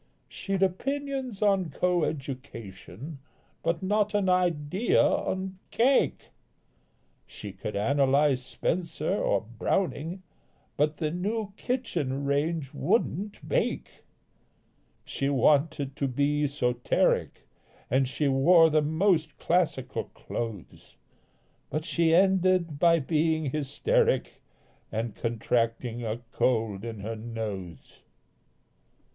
She'd opinions on co education, But not an idea on cake; She could analyse Spencer or Browning, But the new kitchen range wouldn't bake. She wanted to be esoteric, And she wore the most classical clothes; But she ended by being hysteric And contracting a cold in her nose.